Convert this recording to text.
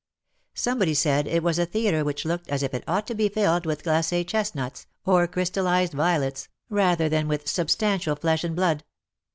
Somebody said it was a theatre which looked as if it ought to be filled with glace chestnuts, or crystallized violets, rather than with substantial flesh and blood.